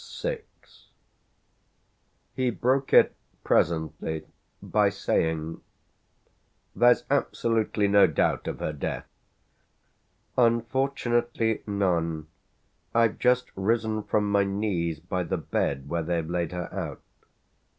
VI He broke it presently by saying: "There's absolutely no doubt of her death?" "Unfortunately none. I've just risen from my knees by the bed where they've laid her out."